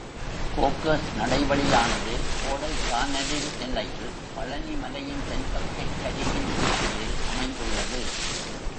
கோக்கர்ஸ் நடைவெளி யானது, கோடைக் கானலின் எல்லையில், பழனி மலையின் தென்பக்கச் சரிவின் உச்சியில் அமைந்துள்ளது.